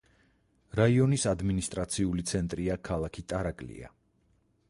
რაიონის ადმინისტრაციული ცენტრია ქალაქი ტარაკლია.